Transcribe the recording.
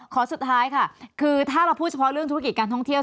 สุดท้ายค่ะคือถ้าเราพูดเฉพาะเรื่องธุรกิจการท่องเที่ยว